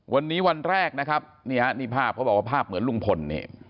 วันนี้วันแรกนะครับนี่ฮะนี่ภาพเขาบอกว่าภาพเหมือนลุงพลเนี่ย